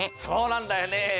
そうなんだよね。